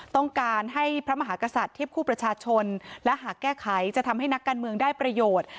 ต้องการให้พระมหากษัตริย์เทียบคู่ประชาชนและหากแก้ไขจะทำให้นักการเมืองได้ประโยชน์